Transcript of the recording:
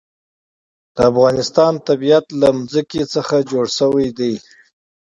د افغانستان طبیعت له ځمکه څخه جوړ شوی دی.